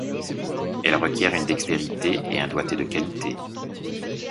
Elle requiert une dextérité et un doigté de qualité.